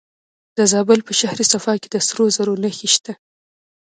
د زابل په شهر صفا کې د سرو زرو نښې شته.